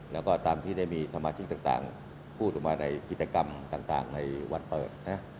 แล้วก็ตามที่ได้มีสมาชิกต่างพูดออกมาในกิจกรรมต่างในวันเปิดนะ